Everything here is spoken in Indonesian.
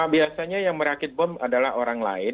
biasanya yang merakit bom adalah orang lain